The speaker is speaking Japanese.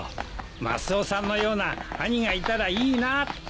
マスオさんのような兄がいたらいいなって。